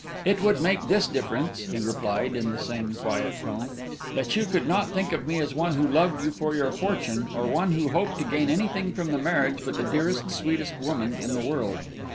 "It would make this difference," he replied, in the same quiet tone, "that you could not think of me as one who loved you for your fortune, or one who hoped to gain anything from the marriage but the dearest, sweetest woman in the world."